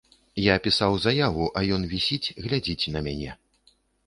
Я пісаў заяву, а ён вісіць, глядзіць на мяне.